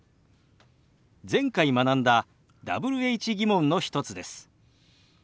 前回学んだＷｈ−疑問の一つです。